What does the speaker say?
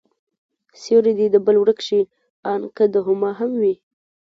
سيورى دي د بل ورک شي، آن که د هما هم وي